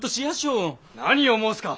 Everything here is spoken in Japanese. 何を申すか！